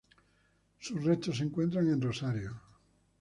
Sus restos se encuentran en Rosario.